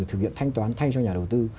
thực hiện thanh toán thay cho nhà đầu tư